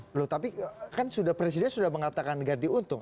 belum tapi kan sudah presiden sudah mengatakan ganti untung